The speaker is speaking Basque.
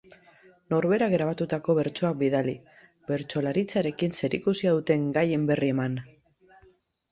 Norberak grabatutako bertsoak bidali, bertsolaritzarekin zerikusia duten gaien berri eman